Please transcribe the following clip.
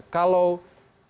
kalau kuhp dan rkuhp